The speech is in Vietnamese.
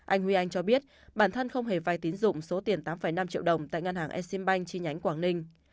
anh huy anh cho biết bản thân không hề phải tiến dụng số tiền tám năm triệu đồng tại ngân hàng e sim banh chi nhánh quảng ninh